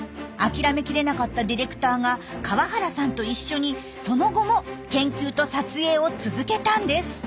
諦めきれなかったディレクターが河原さんと一緒にその後も研究と撮影を続けたんです。